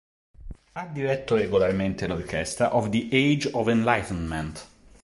Ha diretto regolarmente l'Orchestra of the Age of Enlightenment.